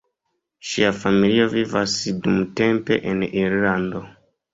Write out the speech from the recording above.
Ŝia familio vivas dumtempe en Irlando.